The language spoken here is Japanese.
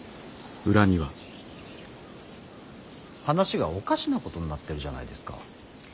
話がおかしなことになってるじゃないですか。